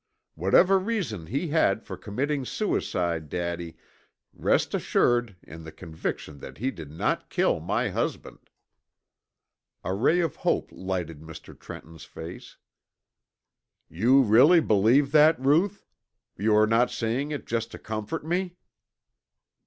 Whatever reason he had for committing suicide, Daddy, rest assured in the conviction that he did not kill my husband." A ray of hope lighted Mr. Trenton's face. "You really believe that, Ruth? You are not saying it just to comfort me?"